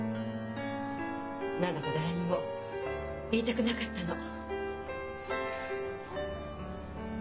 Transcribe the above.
何だか誰にも言いたくなかったの。